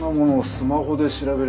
スマホで調べれば」。